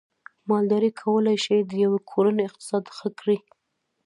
مالداري کولای شي د یوې کورنۍ اقتصاد ښه کړي